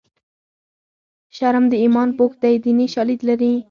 شرم د ایمان پوښ دی دیني شالید لري